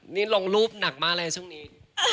นี่ลงรูปหนักมากเลยช่วงนี้